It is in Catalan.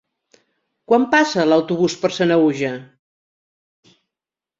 Quan passa l'autobús per Sanaüja?